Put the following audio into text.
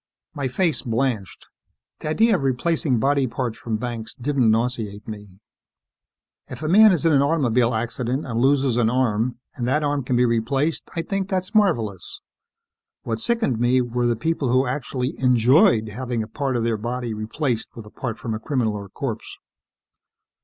My face blanched. The idea of replacing body parts from Banks didn't nauseate me. If a man is in an automobile accident and loses an arm, and that arm can be replaced, I think that's marvelous. What sickened me were the people who actually enjoyed having a part of their body replaced with a part from a criminal or corpse.